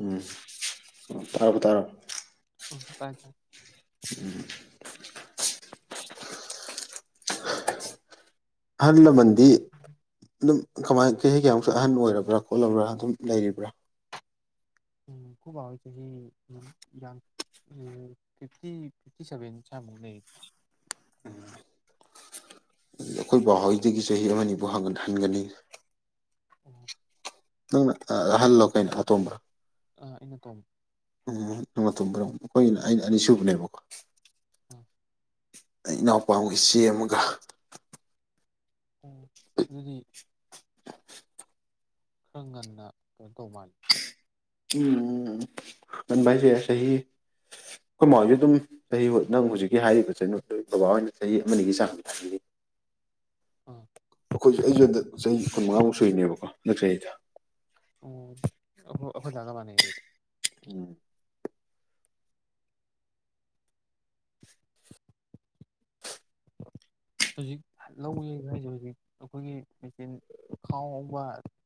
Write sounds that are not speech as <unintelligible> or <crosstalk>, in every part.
ꯎꯝ ꯇꯔ ꯀ ꯇꯔꯣ ꯑ ꯐꯥꯏ ꯐ ꯎꯝ ꯍꯜꯂꯃꯗꯤ ꯑꯗꯨꯝ ꯀꯃꯥꯏ ꯀ ꯀꯌꯥꯃꯨꯛꯁꯨ ꯑꯍꯟ ꯑꯣꯏꯔꯕ꯭ꯔꯥ ꯈꯣꯠꯂꯕ꯭ꯔꯥ ꯑꯗꯨꯝ ꯂꯩꯔꯤꯕ꯭ꯔꯥ ꯈ ꯑꯋꯥꯁꯤ ꯍ ꯌꯥ ꯎ ꯐꯤꯐꯇꯤ ꯐꯤꯐꯇꯤ ꯁꯚꯦꯟ ꯆꯃꯨꯛꯅꯦ ꯎꯝ ꯑꯩꯈꯣꯏ ꯄꯕꯥꯥꯎꯍꯩꯗꯒꯤ ꯆꯍꯤ ꯑꯃꯅꯤꯅꯤꯕꯨ ꯍ ꯍꯟꯒꯅꯤ ꯑꯣ ꯅꯪ ꯍꯜꯂꯣ ꯀꯥꯏꯩꯅ ꯇꯣꯝꯕ ꯑ ꯏꯩꯅ ꯇꯣꯣꯡꯉꯤ ꯎꯝ ꯅꯇꯣ꯭ꯔꯣ ꯑꯩꯈꯣꯏꯒꯤꯅ ꯑꯩꯅ ꯑꯅꯤꯁꯨꯕꯅꯦꯕꯀꯣ ꯎꯝ ꯑꯩ ꯏꯅꯥꯎꯄꯥ ꯏꯆꯦ ꯑꯃꯒ ꯎꯝ ꯑꯗꯨꯗꯤ ꯈꯔꯪ ꯉꯟꯅ ꯇꯧ ꯃꯥꯜꯂꯤ ꯎꯝꯚꯏꯁꯁ ꯆꯍꯤ ꯑꯩꯈꯣꯏ ꯃꯥꯁꯨ ꯑꯗꯨꯝ ꯆꯍꯤ ꯅꯪ ꯍꯧꯖꯤꯛꯀꯤ ꯍꯥꯏꯔꯤꯕꯒꯤ ꯕꯕꯥ ꯑꯣꯏꯅ ꯆꯍꯤ ꯑꯃꯒꯤꯒꯤ ꯆꯥꯡꯗ ꯍꯥꯏꯕꯤꯅꯤ <unintelligible> ꯑꯥ ꯑꯩꯈꯣꯏꯁꯨ ꯑꯩꯁꯨ ꯍꯟꯗꯛ ꯆꯍꯤ ꯀꯨꯟ ꯃꯉꯥꯃꯨꯛ ꯁꯨꯔꯤꯅꯦꯕꯀꯣ ꯅꯁ꯭ꯔꯤꯉꯩꯗ ꯎꯝ ꯑꯩꯈꯣꯏ ꯂꯒ ꯃꯥꯅꯦꯗ ꯎꯝ <unintelligible> ꯍꯧꯖꯤꯛ ꯂꯧ ꯍꯥꯏꯁꯦ ꯍꯧꯖꯤꯛ ꯑꯩꯈꯣꯏꯒꯤ ꯃꯦꯆꯤꯟ ꯈꯥꯎꯕ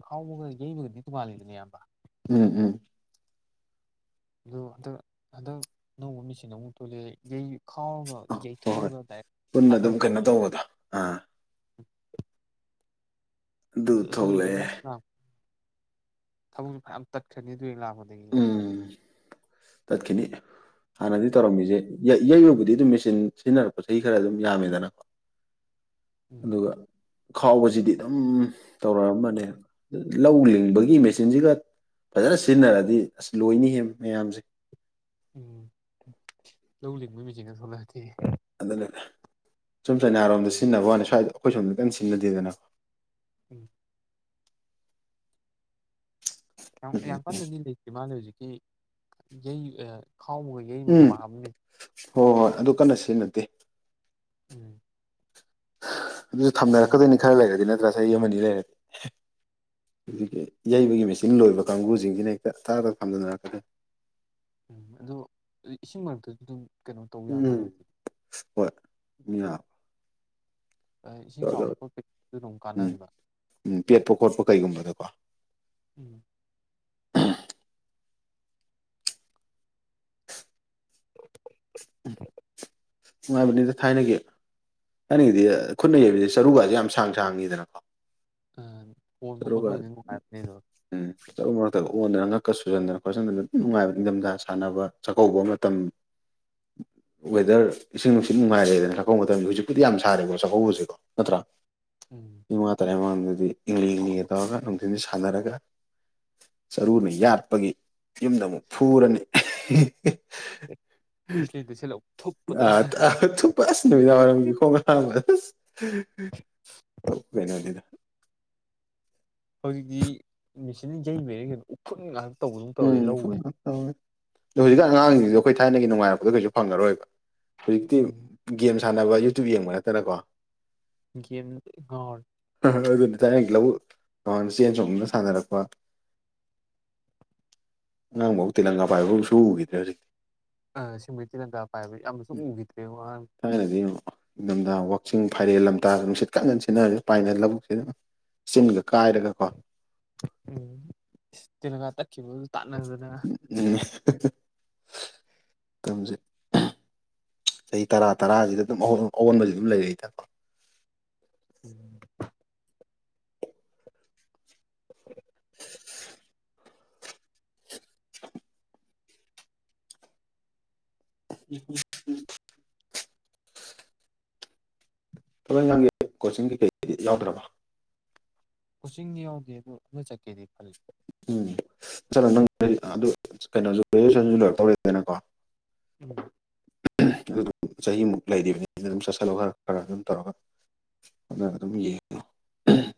ꯈꯥꯎꯕ ꯌ ꯑꯣꯏꯕꯅꯤ ꯅꯨꯨ ꯄꯜꯂꯅꯦꯕ ꯎꯝ ꯎꯝ ꯑꯗꯣ ꯍꯟꯗꯛ ꯍꯟꯗꯛ ꯑꯅꯧꯕ ꯃꯦꯆꯤꯟ ꯑꯃꯨꯛ ꯊꯣꯛꯂꯛꯑ ꯌꯩ ꯈꯥꯎꯔꯒ ꯑ ꯍꯣꯏ ꯍꯣꯏ ꯌꯩꯊꯣꯛꯑꯒ ꯗꯥꯏꯔꯦꯛ ꯄꯨꯟꯅ ꯑꯗꯨꯝ ꯊꯥꯊꯔꯛꯄ ꯀꯩꯅꯣ ꯑꯃꯁꯨ ꯇꯧꯕꯗꯣ ꯑꯥ ꯑꯗꯨ ꯊꯣꯛꯂꯛ ꯑ ꯊꯕꯛꯁꯨ ꯃꯌꯥꯝ ꯇꯠꯈ꯭ꯔꯅꯤ ꯑꯗꯨ ꯍꯦꯛ ꯂꯥꯛꯄꯗꯒꯤ ꯇꯠ ꯈꯤꯅꯤ ꯍꯥꯟꯅꯗꯤ ꯇꯧꯔꯝꯃꯤꯁꯦ ꯌꯩꯕꯕꯨꯗꯤ ꯑꯗꯨꯝ ꯃꯦꯆꯤꯟ ꯁꯤꯖꯤꯟꯅꯔꯛꯄ ꯆꯍꯤ ꯈꯔ ꯑꯗꯨꯝ ꯌꯥꯝꯃꯤꯗꯅꯀꯣ ꯎꯝ ꯑꯗꯨꯒ ꯈꯥꯎꯕꯁꯤꯗꯤ ꯑꯗꯨꯝ ꯇꯧꯔꯛꯑꯝꯕꯅꯦ ꯂꯧ ꯂꯤꯡꯕꯒꯤ ꯃꯦꯆꯤꯟꯁꯤꯒ ꯐꯖꯅ ꯁꯤꯖꯤꯟꯅꯔꯗꯤ ꯑꯁ ꯂꯣꯏꯅꯤ ꯍꯦ ꯃꯌꯥꯝꯖꯦ ꯎꯝ ꯂꯧ ꯂꯤꯡꯕꯒꯤ ꯃꯦꯆꯤꯟ ꯒꯥ ꯊꯣꯛꯂꯥꯛ ꯑꯗꯤ ꯑꯗꯨꯅꯦꯗꯥ ꯁꯨꯝ ꯆꯩꯅꯥꯔꯣꯝꯗ ꯁꯤꯖꯤꯟꯅꯕ ꯋꯥꯅꯤ ꯁ꯭ꯋꯥꯏꯗ ꯑꯩꯈꯣꯏ ꯁꯣꯝꯗ ꯑꯝ ꯇꯥ ꯁꯤꯖꯤꯟꯅꯗꯦꯗꯅ ꯎꯝ ꯌꯥꯡ ꯀꯟꯅꯥꯗꯤ ꯂꯩꯇꯔꯤ ꯃꯥꯂꯦ ꯍꯧꯖꯤꯛꯀꯤ ꯌꯩ ꯈꯥꯎꯕꯒ ꯌꯩꯕꯒ ꯎꯝ ꯄꯥꯕꯅꯤꯅꯥ ꯍꯣꯏ ꯍꯣꯏ ꯑꯗꯨ ꯀꯟꯅ ꯁꯤꯖꯤꯟꯅꯗꯦ ꯎꯝ ꯑꯗꯨꯁꯨ ꯊꯝꯅꯔꯛꯀꯗꯣꯏꯅꯦ ꯈꯔ ꯂꯩꯔꯗꯤ ꯅꯠꯇ꯭ꯔꯥ ꯆꯍꯤ ꯑꯃ ꯑꯅꯤ ꯂꯩꯔꯗꯤ ꯑꯗꯨꯒꯤ ꯌꯩꯕꯒꯤ ꯃꯦꯆꯤꯟ ꯂꯣꯏꯕ ꯀꯥꯡꯕꯨꯁꯤꯡꯁꯤꯅ ꯍꯦꯛꯇ ꯇꯥꯗ ꯐꯝꯗꯅꯔꯛꯀꯅꯤ ꯎꯝ ꯑꯗꯣ ꯏꯁꯤꯡ ꯃꯔꯛꯇꯁꯨ ꯑꯗꯨꯝ ꯀꯩꯅꯣ ꯇꯧ ꯌꯥ ꯃꯥꯜꯂꯦ ꯎꯝ ꯑꯗꯨꯗꯤ ꯍꯣꯏ ꯃꯤ ꯌꯥ ꯏꯁꯤꯡ ꯆꯥꯎꯕ ꯈꯣꯠꯄꯒꯤꯗꯤ ꯑꯗꯨꯝ ꯀꯥꯟꯅꯗꯅ ꯎꯀꯣ ꯎꯝ ꯍꯤ ꯎꯝ ꯅꯨꯡꯉꯥꯏꯕꯅꯤꯗ ꯊꯥꯏꯅꯒꯤ ꯊꯥꯏꯅꯒꯤꯗꯤ ꯈꯨꯠꯅ ꯌꯩꯕꯤꯁ ꯆꯔꯨꯒꯁꯦ ꯌꯥꯝ ꯁꯥꯡ ꯁꯥꯡꯉꯤꯗꯅꯀꯣ ꯍꯣꯟꯕ ꯆꯔꯨꯒ ꯈꯣꯠꯄꯕꯨꯗꯤ ꯅꯨꯡꯉꯥꯏꯔꯛꯄꯅꯦꯗ ꯎꯝ ꯆꯔꯨ ꯃꯔꯛꯇꯒ ꯑꯣꯟꯗꯅ ꯉꯛꯀ ꯁꯨꯖꯟꯗꯅ ꯈꯣꯠꯆꯟꯗꯅ ꯑꯗꯨ ꯅꯨꯡꯉꯥꯏꯕ ꯅꯤꯡꯊꯝꯊꯥ ꯁꯥꯟꯅꯕ ꯆꯥꯛꯀꯧꯕ ꯃꯇꯝ ꯍꯤ ꯋꯦꯗꯔ ꯏꯁꯤꯡ ꯅꯨꯡꯁꯤꯠ ꯅꯨꯡꯉꯥꯏꯔꯛꯑꯗꯅ ꯆꯥꯛꯀꯧꯕ ꯃꯇꯝꯗ ꯍꯧꯖꯤꯛꯄꯨꯗꯤ ꯌꯥꯝ ꯁꯥꯔꯦꯀꯣ ꯆꯥꯛꯀꯧꯕꯁꯤꯀꯣ ꯅꯠꯇ꯭ꯔꯥ ꯎꯝ ꯏꯃ ꯇꯔꯥꯏꯃ ꯑꯗꯨ ꯏꯪꯂꯤ ꯏꯂꯤ ꯍ ꯇꯧ ꯀꯥꯟꯤꯟ ꯁꯥꯟꯅꯥꯔꯒꯥ ꯆꯔꯨꯅ ꯌꯥꯠꯄꯒꯤ ꯌꯨꯝꯗ ꯑꯃꯨꯛ ꯐꯨꯔꯅꯤ ꯗꯤꯁꯂꯦꯗ ꯁꯦꯠꯂ ꯑ ꯊꯨꯞꯄꯗ ꯊꯨꯄ ꯑꯁꯤ ꯅꯨꯃꯤꯗꯥꯡ ꯋꯥꯏꯔꯝꯒꯤ ꯈꯣꯡ ꯍꯥꯥꯝꯕ ꯀꯞꯄꯦ ꯍꯥꯏꯕꯅꯤꯗ ꯍꯧꯖꯤꯛꯇꯤ ꯃꯦꯆꯤꯟ ꯌꯩ ꯂꯩ ꯎꯈ꯭ꯔꯨꯜ ꯉꯥꯛ ꯎꯝ ꯍ ꯑꯗꯣ ꯍꯧꯖꯤꯛ ꯑꯉꯥꯡꯁꯤꯡꯗ ꯑꯩꯈꯣꯏ ꯊꯥꯏꯅꯒꯤ ꯅꯨꯡꯉꯥꯏꯔꯛꯄꯗ ꯀꯩꯁꯨ ꯐꯪꯉꯔꯣꯏꯕ ꯍꯧꯖꯤꯛꯇꯤ ꯎꯝ ꯒꯦꯝꯁ ꯁꯥꯟꯅꯕ ꯌꯨꯇꯨꯕ ꯌꯦꯡꯕ ꯅꯠꯇꯅꯀꯣ ꯌꯦꯝꯗꯥ ꯂꯣꯏ ꯉꯥꯎꯔꯥꯅꯤ ꯈ ꯑꯣꯏꯕꯅꯤ ꯇꯥꯏꯔ ꯂꯧ ꯆꯦꯟ ꯆꯣꯡꯅ ꯁꯥꯟꯅꯔꯛꯄ ꯑꯉꯥꯡꯐꯧ ꯇꯦꯂꯪꯒꯥ ꯄꯥꯏꯕ ꯁꯨ ꯎꯈꯤꯗ꯭ꯔꯦ ꯍꯧꯖꯤꯛꯇꯤ ꯑꯁꯦꯡꯕꯩ ꯇꯦꯂꯪ ꯒꯥ ꯄꯥꯏꯕ ꯌꯥꯝꯅꯁꯨ ꯎꯈꯤꯗ꯭ꯔꯦ ꯋꯥꯍꯥꯟ ꯅꯤꯡꯊꯝꯊ ꯋꯆꯤꯡ ꯐꯥꯏꯔꯦꯜ ꯂꯝꯇꯥꯗ ꯅꯨꯡꯁꯤꯠꯀꯛ ꯉꯟꯅ ꯁꯤꯖꯤꯟꯅꯔꯁꯨ ꯄꯥꯏꯅ ꯂꯧꯕꯛꯁꯤ ꯑꯗꯨ ꯆꯤꯟꯒ ꯀꯥꯏꯔꯒ ꯀꯣ ꯎꯝ ꯇꯦꯂꯪꯒ ꯇꯥꯠꯈꯤꯕꯗꯨ ꯎꯝ ꯃꯥꯇꯝꯖꯦ ꯆꯍꯤ ꯇꯔꯥ ꯇꯔꯥꯁꯤꯗ ꯑꯗꯨꯝ ꯑꯑꯣꯟꯕꯁꯤ ꯑꯗꯨꯝ ꯂꯩꯔꯛꯏꯗꯀꯣ ꯎꯝ <unintelligible> <inaudible> <unintelligible> ꯎ ꯎ ꯊꯕꯛ ꯏꯈꯥꯡꯒꯤ ꯀꯣꯆꯤꯡꯒꯤꯩ ꯀꯩꯗꯤ ꯌꯥꯎꯗ꯭ꯔꯕ ꯀꯆꯤꯡꯅꯤ ꯍꯧꯒꯦ ꯑꯗꯨ ꯆꯀꯦꯗꯤ ꯎꯝ ꯁꯥꯅ ꯅꯪ ꯀꯩꯅꯣꯁꯨ ꯒ꯭ꯔꯦꯖꯨꯋꯦꯁꯟꯁꯨꯣꯏꯔ ꯇꯧꯔꯦꯗꯅꯀꯣ ꯎꯝ ꯑꯗꯨꯝ ꯆꯍꯤꯃꯨꯛ ꯂꯩꯔꯤꯕꯅꯤ ꯑꯩꯅ ꯑꯗꯨꯝ ꯆꯠꯁꯤꯜꯂꯣ ꯈꯔ ꯈꯔ ꯑꯗꯨꯝ ꯇꯧꯔꯒ ꯑꯝ ꯌꯦ ꯎ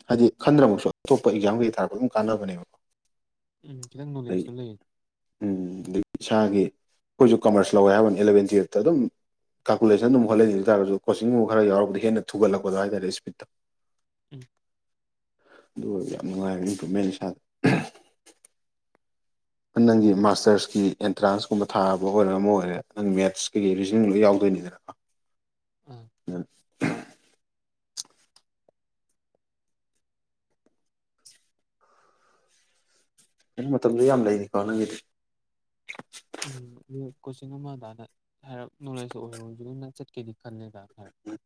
ꯍꯥꯏꯗꯤ ꯈꯟꯗ꯭ꯔꯕꯛꯁꯨ ꯑꯇꯣꯞꯄ ꯑꯦꯛꯖꯥꯝ ꯀꯩ ꯊꯥꯔꯛꯒ ꯑꯗꯨꯝ ꯀꯥꯟꯅꯕꯅꯦꯕ ꯎꯝ ꯈꯤꯇꯪ ꯅꯣꯂꯦꯖꯁꯨ ꯂꯩ ꯎꯝ ꯑꯗꯩ ꯏꯁꯥꯒꯤ ꯑꯩꯈꯣꯏꯁꯨ ꯀꯃꯔꯁ ꯂꯧꯋꯦ ꯍꯥꯏꯕꯅꯤ ꯑꯦꯂꯚꯦꯟ ꯇꯨꯌꯦꯜꯞꯇ ꯑꯗꯨꯝ ꯀꯥꯀꯨꯦꯁꯟ ꯑꯗꯨꯝ ꯍꯣꯠꯂ ꯑꯣꯏ ꯇꯥꯔꯒꯁꯨ ꯀꯣꯆꯤꯡꯒꯨꯝꯕ ꯈꯔ ꯌꯥꯎꯔꯕꯗꯤ ꯍꯦꯟꯅ ꯊꯨꯒꯠꯂꯛꯄꯗꯣ ꯍꯥꯏꯇꯥꯔꯦ ꯏꯁꯄꯤꯠꯇ ꯎꯝ ꯑꯗꯨ ꯑꯣꯏꯔꯒ ꯌꯥꯝ ꯅꯨꯡꯉꯥꯏꯔ ꯏꯝꯄ꯭ꯔꯨꯨꯞꯃꯦꯟ ꯏꯁꯥꯗ ꯅꯪꯒꯤ ꯃꯥꯁꯇꯔꯁꯀꯤ ꯑꯦꯟꯇ꯭ꯔꯥꯟꯁꯀꯨꯝꯕ ꯊꯥꯕ ꯑꯣꯏꯔ ꯑꯃ ꯑꯣꯏꯔꯦ ꯅꯪ ꯃꯦꯠꯁꯀ ꯔꯤꯖꯟ ꯂꯣꯏ ꯌꯥꯎꯗꯣꯏ ꯗꯔ ꯑꯥ ꯑꯩꯅ ꯃꯇꯝꯗ ꯌꯥꯝ ꯂꯩꯅꯤꯀꯣ ꯅꯪꯒꯤꯗꯤ ꯎꯝ ꯑꯗꯨ ꯀꯣꯆꯤꯡ ꯑꯃꯗꯥꯅ ꯍꯥꯏꯔꯞ ꯅꯣꯂꯦꯖ ꯑꯣꯏꯔꯁꯨ ꯑꯗꯨꯝꯅ ꯆꯠꯀꯦꯗꯤ ꯈꯜꯂꯦꯗ ꯎ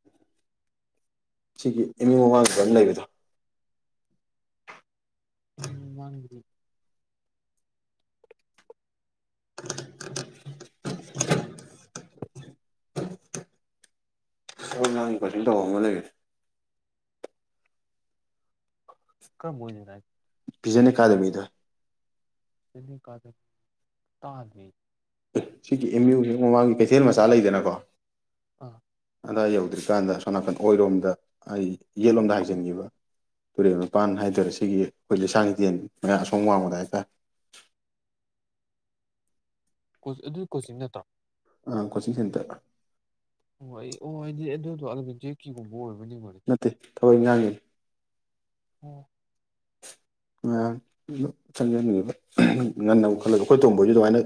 ꯁꯤꯒꯤ ꯏꯃꯤꯨꯡ ꯃꯃꯥꯡ ꯈꯪ ꯂꯩꯕꯗ ꯎꯝ ꯃꯗꯔꯤ ꯑꯩꯣꯏ ꯉꯥꯡꯕꯁꯤꯡ ꯇꯧꯕ ꯑꯃ ꯂꯩꯔꯤꯁꯦ ꯀꯔꯕꯨꯣꯅꯤ ꯇ ꯄꯤꯖꯅꯦ ꯀꯥꯗꯃꯤꯗ ꯆꯅꯤ ꯀꯥꯗ ꯇꯥꯥꯟꯕꯤ ꯁꯤꯒꯤ ꯑꯦꯝ ꯌꯨꯁ ꯃꯃꯥꯡꯒꯤ ꯀꯩꯊꯦꯜ ꯃꯆꯥ ꯂꯩꯗꯅꯀꯣ ꯑ ꯑꯗꯥꯏ ꯌꯧꯗ꯭ꯔꯤꯀꯥꯟꯗ ꯑꯣ ꯅꯥꯀꯟ ꯑꯣꯏꯔꯣꯝꯗ ꯑꯩ ꯑꯣ ꯌꯦꯜꯂꯣꯝꯗ ꯑꯣ ꯍꯥꯏꯖꯤꯟꯈꯤꯕ ꯇꯨꯔꯦꯜ ꯃꯄꯥꯟ ꯍꯥꯏꯇꯥꯔꯦ ꯁꯤꯒꯤ ꯑꯩꯈꯣꯏ ꯂꯩꯁꯥꯡ ꯍꯊꯦꯟ ꯃꯌꯥ ꯑꯁꯣꯝ ꯋꯥꯡꯃꯗ ꯍꯥꯏꯇꯥꯔꯦ <unintelligible> ꯀꯣ ꯑꯗꯨ ꯀꯣꯆꯤꯡ ꯅꯠꯇꯥ ꯑ ꯀꯣꯆꯤꯡ ꯁꯦꯟꯦꯟꯇꯔ ꯑꯣ ꯑꯩ ꯑꯣ ꯑꯩꯗꯤ ꯑꯗꯨꯗꯣ ꯆꯦꯛꯀꯤꯒꯨꯝꯕ ꯑꯣꯏꯕꯅꯤꯕꯅꯤ ꯊꯑꯣꯏ ꯉꯥꯡꯉꯤ ꯎꯝ <unintelligible> ꯆꯪꯖꯟꯉꯤꯕ ꯉꯟꯅ ꯈꯠꯂꯒ ꯑꯩꯈꯣꯠ ꯇꯣꯡꯕꯣꯏꯁꯨ ꯑꯗꯨꯃꯥꯏꯅ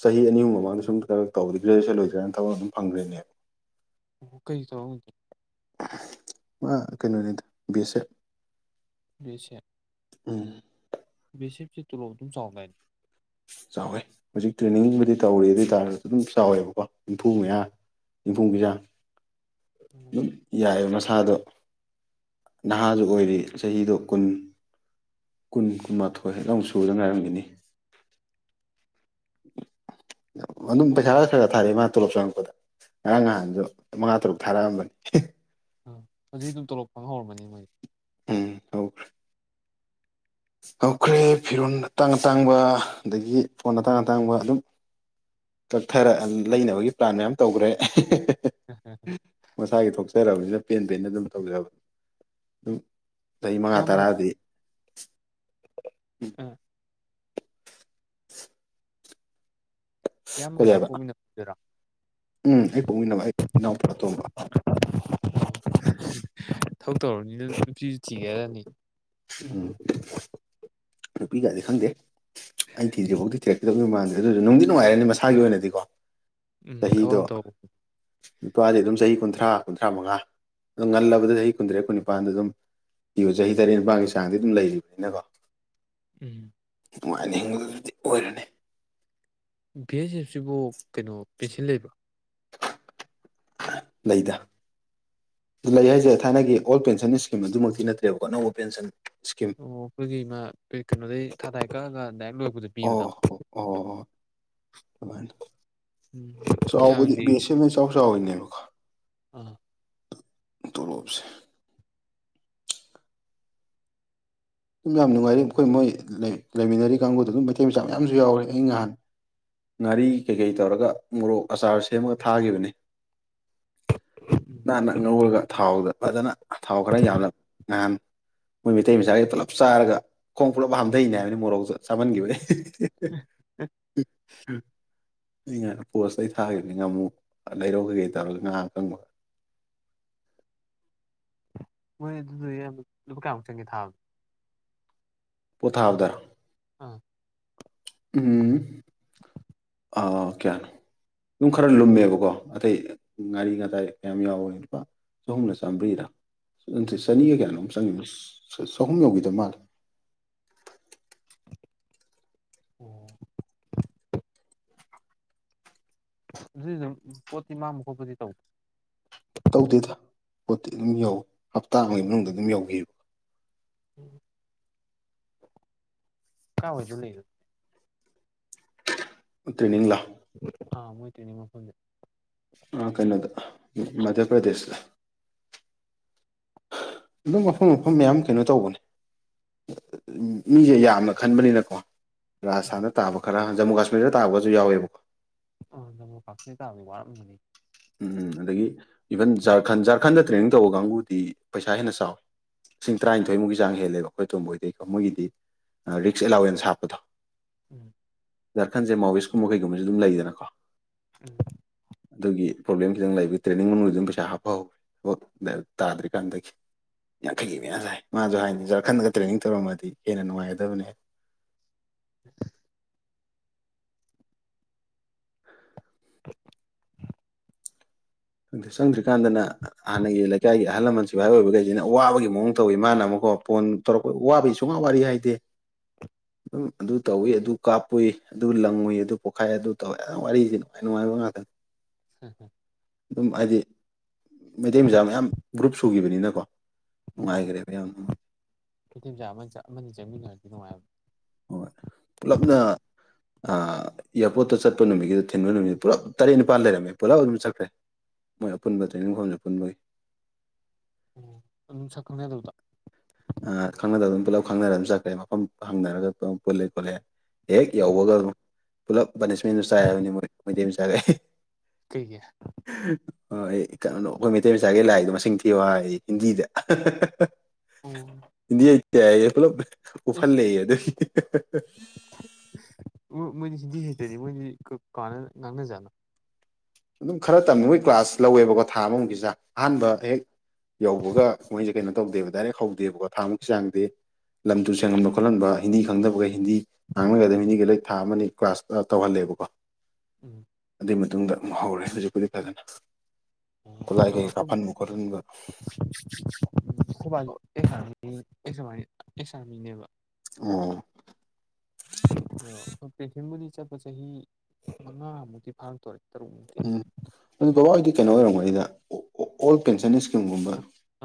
ꯆꯍꯤ ꯑꯅꯤꯃꯨꯛ ꯃꯃꯥꯡꯗ ꯁꯨꯝ ꯀꯛ ꯇꯧꯕꯗꯤ ꯒ꯭ꯔꯦꯖꯨꯌꯦꯦꯠ ꯂꯣꯏꯗ꯭ꯔꯥꯅ ꯊꯕꯛ ꯑꯗꯨꯝ ꯐꯪꯈ꯭ꯔꯦꯅꯦꯕ ꯀꯩ ꯇ ꯀꯩꯅꯣꯅꯤꯗ ꯕꯤ ꯑꯦꯁ ꯑꯦꯦ ꯁ ꯎꯝ ꯁꯤꯞꯁꯤ ꯇꯣꯂꯣꯞ ꯑꯗꯨꯝ ꯆꯥꯎꯅꯏꯅꯤ ꯆꯥꯎꯋꯦ ꯍꯧꯖꯤꯛ ꯇ꯭ꯔꯦꯅꯤꯡꯕꯨꯗꯤ ꯇꯧꯔꯤ ꯑꯗꯨ ꯑꯣꯏ ꯇꯥꯔꯁꯨ ꯑꯗꯨꯝ ꯆꯥꯎꯋꯦꯕꯀꯣ ꯝꯐꯨ ꯃꯌꯥ ꯌꯨꯝꯐꯨ ꯄꯤꯖꯥꯡ ꯑꯗꯨꯝ ꯌꯥꯏꯑꯕ ꯃꯁꯥꯗꯣ ꯅꯍꯥꯖ ꯑꯣꯏꯔꯤ ꯆꯍꯤꯗꯣ ꯀꯨꯟ ꯀꯨꯟ ꯀꯨꯟꯃꯥꯊꯣꯏ ꯂꯧ ꯁꯗꯒ ꯉꯥꯏꯔꯝꯒꯅꯤ ꯑꯗꯨꯝ ꯄꯩꯁꯥ ꯈ ꯊꯥꯔꯦ ꯃꯥ ꯇꯣꯂꯣꯞ ꯆꯪꯉꯛꯄꯗ ꯉꯔꯥꯡ ꯅꯍꯥꯟꯁꯨ ꯃꯉꯥ ꯇꯔꯨꯛ ꯊꯥꯔꯛꯑꯝꯕꯅꯤ ꯑ ꯍꯧ ꯑꯗꯨꯝ ꯇꯣꯂꯣꯞꯄꯪ ꯍꯧꯔꯝꯃꯅꯤ ꯃꯣꯏꯗꯤ ꯑ ꯍꯧ <unintelligible> <inaudible> ꯍꯧꯈ꯭ꯔꯦ ꯐꯤꯔꯣꯜ ꯑꯇꯥꯡ ꯑꯇꯥꯡꯕ ꯑꯗꯒꯤ ꯐꯣꯟ ꯑꯇꯥꯡ ꯑꯇꯥꯡꯕ ꯑꯗꯨꯝ ꯀꯛꯊꯔ ꯂꯩꯅꯕꯒꯤ ꯄ꯭ꯂꯥꯟ ꯃꯌꯥꯝ ꯇꯧꯈ꯭ꯔꯦ ꯎꯝ ꯍꯝ <unintelligible> <inaudible> ꯆꯠꯆꯔꯕꯅꯤꯅ ꯄꯦꯟ ꯄꯦꯟ ꯑꯗꯨꯝ ꯇꯧꯖꯕ ꯑꯗꯨꯝ ꯆꯍꯤ ꯃꯉꯥ ꯇꯔꯥꯗꯤ ꯎꯝ <unintelligible> <inaudible> ꯏꯌꯥꯝꯕ ꯀꯗꯥꯏ ꯀꯩꯕ ꯄꯥꯎꯃꯤꯟꯅꯗꯔꯥ ꯎꯝ ꯑꯩ ꯄꯣꯛꯃꯤꯟꯅꯕ ꯑꯩ ꯏꯅꯥꯎꯄꯥ ꯑꯇꯣꯝꯕ <unintelligible> <inaudible> ꯊꯕꯛ ꯇꯧꯔꯅꯤꯅ ꯅꯨꯄꯤꯁꯨ ꯊꯤꯒꯦꯔꯅꯤ ꯎꯝ ꯅꯨꯄꯤ ꯀꯗꯤ ꯈꯪꯗꯦ ꯑꯩ ꯊꯤꯗ꯭ꯔꯤꯐꯧꯗꯤ ꯊꯤꯔꯛꯀꯗꯕꯅꯤ ꯃꯃꯥꯟꯗꯦ ꯑꯗꯨꯁꯨ ꯅꯨꯡꯗꯤ ꯅꯨꯡꯉꯥꯏꯔꯅꯤ ꯃꯁꯥꯒꯤ ꯑꯣꯏꯅꯗꯤꯀꯣ ꯎꯝ ꯊꯕꯛ ꯆꯍꯤꯗꯣ ꯑꯃ ꯇꯧꯕ ꯅꯨꯄꯥꯗꯤ ꯑꯗꯨꯝ ꯆꯍꯤ ꯀꯨꯟꯊ꯭ꯔꯥ ꯀꯨꯟꯊ꯭ꯔꯥ ꯃꯉꯥ ꯑꯗꯨꯝ ꯉꯜꯂꯕꯗ ꯆꯍꯤ ꯀꯨꯟꯇ꯭ꯔꯦꯠ ꯀꯨꯟꯅꯤꯄꯥꯟꯗ ꯑꯗꯨꯝ ꯄꯤꯌꯣ ꯆꯍꯤ ꯇꯔꯦꯠ ꯅꯤꯄꯥꯜꯒꯤ ꯆꯥꯡꯗꯤ ꯑꯗꯨꯝ ꯂꯩꯔꯤꯕꯅꯤꯅꯀꯣ ꯎꯝ ꯎ ꯑꯣꯏꯔꯅꯦ ꯚꯤ ꯑꯦꯁ ꯑꯦꯐ ꯁꯤꯕꯨ ꯀꯩꯅꯣ ꯄꯦꯟꯁꯤꯟ ꯂꯩꯕ꯭ꯔꯥ ꯂꯩꯗ ꯂꯩ ꯍꯥꯏꯁꯦ ꯊꯥꯏꯅꯒꯤ ꯍꯣꯜ ꯄꯦꯟꯁꯟ ꯏꯁꯀꯤꯝ ꯑꯗꯨꯃꯛꯇꯤ ꯅꯠꯇ꯭ꯔꯦꯕꯀꯣ ꯑꯅꯧꯕ ꯄꯦꯟꯁꯟ ꯏꯁꯀꯤꯝ ꯑꯣ ꯑꯩꯈꯣꯏꯒꯤ ꯏ ꯃꯥ ꯀꯩꯅꯣꯗꯒꯤꯩ ꯊꯥꯗꯥꯏ ꯀꯛꯑꯒ ꯗꯥꯏ ꯂꯣꯏ ꯑꯣ ꯑꯣ ꯑꯗꯨꯃꯅ ꯎꯝ ꯆꯥꯎ ꯄꯩꯁꯥ ꯕꯗꯤ ꯅꯨꯡꯇꯤꯒꯤ ꯁꯅꯦ ꯆꯥꯎ ꯆꯥꯎꯅꯦꯕ ꯑꯥ ꯇꯔꯣꯕꯁꯦ ꯑꯗꯨꯝ ꯌꯥꯝ ꯅꯨꯡꯉꯥꯏꯔꯤ ꯃꯈꯈꯣꯏ ꯃꯣꯏ ꯂꯩꯃꯤꯟꯅꯔꯤ ꯀꯥꯡꯕꯨꯗ ꯑꯗꯨꯝ ꯃꯩꯇꯩ ꯃꯆꯥ ꯃꯌꯥꯝꯁꯨ ꯌꯥꯎꯔꯦ ꯑꯩ ꯅꯍꯥꯟ ꯉꯥꯔꯤ ꯀꯩꯀꯩ ꯇꯧꯔꯒ ꯃꯣꯔꯣꯛ ꯑꯆꯥꯔ ꯁꯦꯝꯃꯒ ꯊꯥꯈꯤꯕꯅꯤ ꯅꯥꯟꯅ ꯉꯧꯔꯒ ꯊꯥꯎꯗ ꯐꯖꯅ ꯊꯥꯎ ꯈꯔ ꯌꯥꯝꯅ ꯅꯍꯥꯟ ꯃꯣꯏ ꯃꯩꯇꯩ ꯃꯆꯥꯈ ꯄꯨꯂꯞ ꯆꯥꯔꯒ ꯈꯣꯡ ꯄꯨꯂꯞ ꯍꯥꯝꯊꯩꯅꯦ ꯍꯥꯏꯕꯅꯤ ꯃꯣꯔꯧꯗ ꯆꯃꯅꯒꯤꯈꯤꯕꯕꯥꯏ ꯉꯥꯏ ꯄꯣꯁ ꯂꯩ ꯊꯥꯈꯤꯕꯅꯤ ꯉꯥ ꯑꯃꯨꯛ ꯂꯩꯔꯧꯈꯤꯒꯦ ꯇꯧꯔꯒ ꯉꯥꯏꯍꯥꯛ ꯑꯀꯪꯕ <unintelligible> <inaudible> ꯃꯣꯏ ꯑꯗꯨꯗꯤ ꯂꯨꯄꯥ ꯀꯌꯥꯃꯨꯛ ꯆꯪꯒꯦ ꯊꯥꯕꯅꯤꯣ ꯄꯣꯠꯊꯥꯥꯕꯗꯔ ꯑꯥ ꯎꯝ ꯑ ꯑꯣ ꯀꯦꯅꯣ ꯌꯨꯝ ꯈꯔ ꯂꯨꯝꯃꯦꯕꯀꯣ ꯑꯇꯩ ꯉꯥꯔꯤ ꯉꯥꯇꯥꯏ ꯀꯌꯥꯝ ꯌꯥꯎꯋ ꯂꯨꯄꯥ ꯆꯍꯨꯝꯅ ꯆꯥꯝꯃ꯭ꯔꯤꯔ ꯁꯤ ꯆꯅꯤꯒ ꯀꯌꯥꯩꯅꯣꯝꯛ ꯆꯪꯉ ꯆꯍꯨꯝ ꯌꯧꯈꯤꯗ ꯃꯥꯜꯂꯦ ꯑꯣ <inaudible> ꯑꯗꯨ ꯑꯗꯨ ꯄꯣꯠꯇꯤ ꯃꯥ ꯃꯈꯨ ꯈꯕꯨꯗꯤ ꯇꯧ ꯇꯧꯗꯦꯗ ꯄꯣꯠꯇꯤ ꯑꯗꯨꯝ ꯌꯧ ꯍꯞꯇꯥ ꯑꯃꯒꯤ ꯃꯅꯨꯡꯗ ꯑꯗꯨꯝ ꯌꯧꯈꯤꯕ ꯀꯥ ꯍꯁꯨ ꯂꯩ ꯂ <inaudible> <inaudible> ꯇ꯭ꯔꯦꯅꯤꯡꯂ ꯑꯥ ꯃꯣꯏꯇꯣꯏꯅꯤ ꯃ ꯐꯗꯦ ꯑ ꯀꯟꯅꯗ ꯃꯙ ꯄ꯭ꯔꯗꯦꯁ ꯑꯗꯨꯝ ꯃꯐꯝ ꯃꯐꯝ ꯃꯌꯥꯝ ꯀꯩꯅꯣ ꯇꯧꯕꯅꯦ ꯃꯤꯁꯦ ꯌꯥꯝꯅ ꯈꯟꯕꯅꯤꯅꯀꯣ ꯎꯝ ꯔꯥꯖꯁꯊꯥꯟꯗ ꯇꯥꯕ ꯈꯔ ꯖꯃꯨ ꯀꯥꯁꯃꯤꯔꯗ ꯇꯥꯕꯒꯁꯨ ꯌꯥꯎꯋꯦꯕꯀꯣ ꯑ ꯐꯅꯤꯗ ꯋꯥꯔꯝꯅꯤ ꯎꯝꯝ ꯑꯗꯒꯤ ꯏꯚꯟ ꯖꯥꯔꯈꯟ ꯖꯥꯔꯈꯟꯗ ꯇ꯭ꯔꯦꯅꯤꯡ ꯇꯧꯕ ꯀꯥꯡꯕꯨꯗꯤ ꯄꯩꯁꯥ ꯍꯦꯟꯅ ꯆꯥꯎꯋꯤ ꯂꯤꯁꯤꯡ ꯇꯔꯥꯅꯤꯊꯣꯏꯃꯨꯛꯀꯤ ꯆꯥꯡ ꯍꯦꯜꯂꯦꯕ ꯑꯩꯈꯣꯏ ꯇꯣꯝꯕꯣꯏꯗꯒꯤꯩꯀꯣ ꯃꯣꯏꯒꯤꯗꯤ ꯔꯤꯛꯁ ꯑꯦꯂꯥꯎꯋꯦꯟꯁ ꯍꯥꯞꯄꯗꯣ ꯎꯝ ꯖꯥꯔꯈꯟꯁꯦ ꯃꯥꯎꯋꯦꯁꯀꯨꯝꯕ ꯀꯩꯒꯨꯝꯕꯁꯦ ꯑꯗꯨꯝ ꯂꯩꯗꯅꯀꯣ ꯎꯝ ꯑꯗꯨꯒꯤ ꯄ꯭ꯔꯣꯕ꯭ꯂꯦꯝ ꯈꯤꯇꯪ ꯂꯩꯕ ꯇ꯭ꯔꯦꯅꯤꯡ ꯃꯅꯨꯡꯗ ꯑꯗꯨꯝ ꯄꯩꯁꯥ ꯍꯥꯞꯄꯍꯧ ꯇꯥꯗ꯭ꯔꯤꯀꯥꯟꯗꯒꯤ ꯌꯥꯡꯈꯩꯒꯤ ꯃꯌꯥꯝ ꯁꯥꯏ ꯃꯥꯁꯨ ꯍꯥꯏꯗꯤ ꯖꯔ ꯈꯟꯂꯒ ꯇ꯭ꯔꯦꯅꯤꯡ ꯇꯧꯔꯝꯃꯗꯤ ꯍꯦꯟꯅ ꯅꯨꯡꯉꯥꯏꯒꯗꯕꯅꯤ <unintelligible> <unintelligible> <unintelligible> ꯑ ꯆꯪꯗ꯭ꯔꯤꯀꯥꯟꯗꯅ ꯍꯥꯟꯅꯒꯤ ꯂꯩꯀꯥꯏꯒꯤ ꯑꯍꯜ ꯂꯃꯟ ꯁꯤꯚꯥꯏ ꯑꯣꯏꯕꯈꯩꯁꯤꯅ ꯑꯋꯥꯕꯒꯤ ꯃꯑꯣꯡ ꯇꯧꯋꯤ ꯃꯥꯅ ꯑꯃꯨꯛ ꯀ ꯐꯣꯟ ꯇꯧꯔꯛꯄ ꯋꯥꯕꯩ ꯁꯨꯡꯉꯥ ꯋꯥꯔꯤ ꯍꯥꯏꯗꯦ ꯑꯗꯨꯝ ꯑꯗꯨ ꯇꯧꯏꯤ ꯑꯗꯨ ꯀꯥꯞꯄꯨꯏ ꯑꯗꯨ ꯂꯪꯉꯏ ꯑꯗꯨ ꯄꯣꯛꯈꯥꯏ ꯑꯗꯨ ꯇꯧꯏꯦ ꯑꯗꯨ ꯋꯥꯔꯤꯁꯤ ꯅꯨꯡꯉꯥꯏ ꯅꯨꯡꯉꯥꯏ <unintelligible> ꯍꯝ ꯍꯝ ꯑꯗꯨꯝ ꯍꯥꯏꯗꯤ ꯃꯩꯇꯩ ꯃꯆꯥ ꯃꯌꯥꯝ ꯒ꯭ꯔꯨꯞ ꯁꯨꯈꯤꯕꯅꯤꯅꯀꯣ ꯎꯝ ꯅꯨꯡꯉꯥꯏꯈ꯭ꯔꯦꯕ ꯌꯥꯝ ꯅꯨꯡꯉꯥꯏ ꯐꯤꯇꯦꯝꯆꯥ ꯑꯃꯅꯤ ꯆꯪꯃꯤꯟꯅꯔꯗꯤ ꯅꯨꯡꯉꯥꯏꯕ ꯍꯣꯏ ꯄꯨꯂꯞꯅ ꯏꯌꯥꯔꯄꯣꯔꯠꯇ ꯆꯠꯄ ꯅꯨꯃꯤꯠꯒꯤꯗ ꯊꯤꯟꯕ ꯅꯨꯃꯤꯠꯇ ꯄꯨꯂꯞ ꯇꯔꯦꯠ ꯅꯤꯄꯥꯜ ꯂꯩꯔꯝꯃꯦ ꯄꯨꯂꯞ ꯑꯗꯨꯝ ꯆꯠꯈ꯭ꯔꯦ ꯃꯣꯏ ꯑꯄꯨꯟꯕ ꯇ꯭ꯔꯦꯅꯤꯡ ꯐꯣꯝꯁꯦ ꯑꯄꯨꯟꯕꯒꯤ ꯎ ꯑꯗꯨꯝ ꯁꯀꯝ ꯇꯧꯗ ꯈꯪꯅꯗꯕ ꯑꯗꯨꯝ ꯄꯨꯂꯞ ꯈꯪꯅꯔ ꯑꯗꯨꯝ ꯆꯠꯈ꯭ꯔꯦ ꯃꯐꯝ ꯍꯪꯅꯔꯒ ꯄꯨꯜꯂꯦ ꯈꯣꯠꯂꯦ ꯍꯦꯛ ꯌꯧꯕꯒ ꯄꯨꯂꯞ ꯄꯥꯅꯤꯁꯃꯦꯟꯁꯨ ꯆꯥꯏ ꯍꯥꯏꯕꯅꯤ ꯃꯣꯏ ꯃꯩꯇꯩ ꯆꯥꯏꯔꯛꯦ ꯀꯩꯒꯤ ꯍ ꯀꯩꯅꯅꯣ ꯑꯩꯈꯣꯏ ꯃꯩꯇꯩ ꯃꯆꯥꯒꯤ ꯂꯥꯏꯔꯤꯗꯣ ꯃꯁꯤꯡ ꯊꯤꯕ ꯍꯥꯏ ꯍꯤꯟꯗꯤꯗ ꯑꯣ ꯏꯤꯟꯗꯤꯇꯌꯦ ꯄꯨꯂꯞ ꯑꯦꯁ ꯎꯍꯜꯂꯛ ꯑꯗꯨꯒꯤ ꯃꯣꯏꯗꯤ ꯍꯤꯟꯗꯤ ꯍꯤꯁꯇꯔꯤ ꯃꯣꯏꯗꯤ ꯉꯥꯡꯅꯖꯥꯠꯅ ꯑꯗꯨꯝ ꯈꯔ ꯇꯝꯅꯕꯅꯕꯒꯤ ꯀ꯭ꯂꯥꯁ ꯂꯧꯋꯦꯕꯀꯣ ꯊꯥ ꯑꯃꯃꯨꯒꯤꯁꯥ ꯑꯍꯥꯟꯕ ꯍꯦꯛ ꯌꯧꯕꯒ ꯃꯣꯏꯁꯦ ꯀꯩꯅꯣ ꯇꯧꯗꯦꯕ ꯗꯥꯏꯔꯦꯛ ꯍꯧꯗꯦꯕꯀꯣ ꯊꯥꯃꯨꯛꯁꯨ ꯆꯥꯡꯗꯦ ꯂꯝ ꯇꯨ ꯁꯦꯡꯍꯟꯕ ꯈꯣꯠꯍꯟꯕ ꯍꯤꯟꯗꯤ ꯈꯪꯗꯕꯒ ꯍꯤꯟꯗꯤ ꯉꯥꯡꯅꯒꯩꯗ ꯍꯤꯟꯗꯤꯒ ꯂꯥꯏꯔꯤꯛ ꯊꯥ ꯑꯃꯅꯤ ꯀ꯭ꯂꯥꯁ ꯇꯧꯍꯜꯂꯦꯕ ꯀ ꯎꯝ ꯑꯗꯨꯏ ꯃꯇꯨꯡꯗ ꯑꯃꯨꯛ ꯍꯧꯔꯦ ꯍꯧꯖꯤꯛꯄꯨꯗꯤ ꯐꯖꯅ ꯈꯨꯠꯂꯥꯏ ꯀꯩ ꯀꯥꯞꯍꯟꯕ ꯈꯣꯠꯍꯟꯕ ꯑ ꯁꯥ ꯑꯦꯁꯥꯃꯤꯅꯦꯕ ꯑꯣ ꯑ ꯄꯕꯨ ꯆꯠꯄ ꯆꯍꯤ ꯃꯉꯥꯃꯨꯛꯇꯤ ꯐꯥꯔꯛꯇꯣꯔꯦ ꯇꯔꯨꯛꯃꯨꯛꯇꯤ ꯎꯝ ꯑꯗꯨ ꯕꯕꯥ ꯍꯣꯏꯗꯤ ꯀꯩꯅꯣ ꯑꯣꯏꯔꯝꯒꯅꯤꯅ ꯑꯣꯜ ꯄꯦꯟꯁꯟ ꯏꯁ ꯨꯝ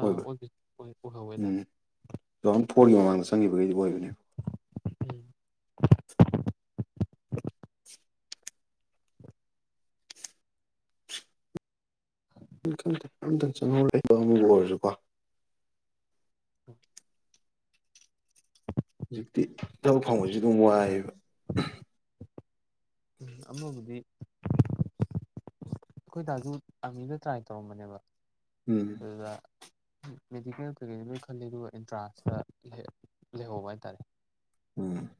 ꯑꯣꯏꯗ ꯎꯝ ꯇꯨ ꯊꯥꯎꯖꯟ ꯐꯣꯔꯒꯤ ꯃꯃꯥꯡꯗ ꯆꯪꯈꯤꯕꯈꯩꯗꯤ ꯑꯣꯏꯕꯅꯦꯕ <unintelligible> ꯝꯇꯪ ꯆꯪꯍꯧꯕ ꯑꯃꯕꯨ ꯑꯣꯏꯔꯁꯨꯀꯣ ꯎꯝ ꯍꯧꯖꯤꯛꯇꯤ ꯊꯕꯛ ꯐꯪꯁꯨ ꯑꯗꯨꯝ ꯋꯥꯏꯌꯦꯕ ꯎꯝ ꯑꯃꯕꯨꯗꯤ ꯑꯩꯈꯣꯏ ꯗꯥꯥꯖꯨ ꯑꯥꯔꯃꯤꯗ ꯇ꯭ꯔꯥꯏ ꯇꯧꯔꯝꯕꯅꯦꯕ ꯎꯝ ꯑꯗꯨꯗ ꯃꯦꯗꯤꯀꯦꯜ ꯀꯩꯀꯩ ꯅꯣꯏ ꯈꯜꯂꯤ ꯑꯗꯨꯒ ꯑꯦꯟꯇ꯭ꯔꯥꯟꯁꯇ ꯂꯩꯍꯧꯕ ꯍꯥꯏꯇꯥꯔꯦ ꯎꯝ